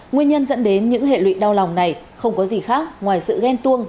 nguyên nhân dẫn đến những hệ lụy đau lòng này không có gì khác ngoài sự ghen tuông